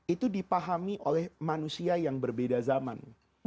itu dipahami oleh manusia yang berbeda zaman